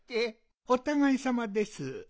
おたがいさまです。